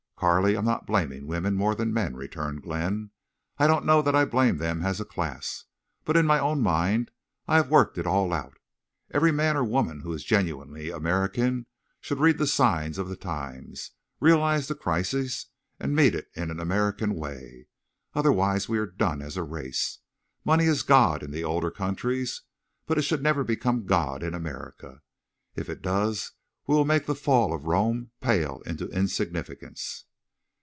"Carley, I'm not blaming women more than men," returned Glenn. "I don't know that I blame them as a class. But in my own mind I have worked it all out. Every man or woman who is genuinely American should read the signs of the times, realize the crisis, and meet it in an American way. Otherwise we are done as a race. Money is God in the older countries. But it should never become God in America. If it does we will make the fall of Rome pale into insignificance."